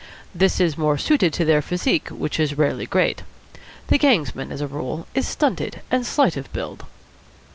This is more suited to their physique, which is rarely great. The gangsman, as a rule, is stunted and slight of build.